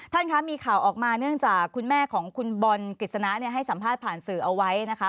คะมีข่าวออกมาเนื่องจากคุณแม่ของคุณบอลกฤษณะให้สัมภาษณ์ผ่านสื่อเอาไว้นะคะ